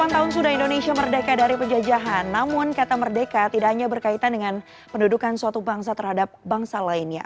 delapan tahun sudah indonesia merdeka dari penjajahan namun kata merdeka tidak hanya berkaitan dengan pendudukan suatu bangsa terhadap bangsa lainnya